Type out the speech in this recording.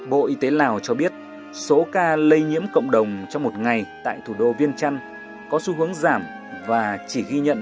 bộ y tế lào cho biết số ca lây nhiễm cộng đồng trong một ngày tại thủ đô viên trăn có xu hướng giảm và chỉ ghi nhận một trăm bốn mươi sáu ca